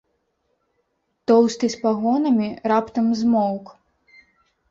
Тоўсты з пагонамі раптам змоўк.